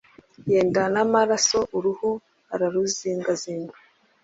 yenda n'amaraso uruhu araruzingazinga,